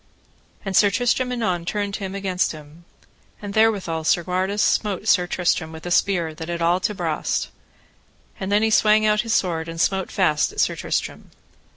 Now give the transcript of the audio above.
And Sir Tristram anon turned him against him. And therewithal Segwarides smote Sir Tristram with a spear that it all to brast; and then he swang out his sword and smote fast at Sir Tristram.